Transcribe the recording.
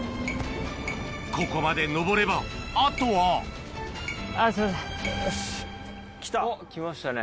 ここまで上ればあとは来た。来ましたね。